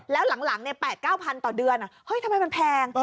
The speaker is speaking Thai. แล้วหลังเนี่ย๘๙๐๐๐บาทต่อเดือนทำไมมันแพง